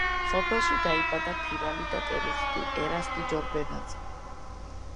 სოფელში დაიბადა ფირალი და ტერორისტი ერასტი ჯორბენაძე.